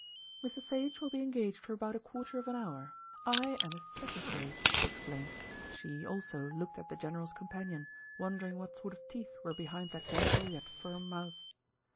"Mr. Sage will be engaged for about a quarter of an hour. I am his secretary," she explained. She, also, looked at the general's companion, wondering what sort of teeth were behind that gentle, yet firm mouth.